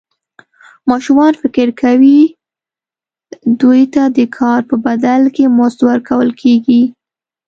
ماشومان فکر کوي دوی ته د کار په بدل کې مزد ورکول کېږي.